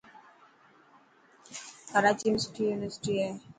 ڪراچي ۾ سٺي يونيورسٽي هي.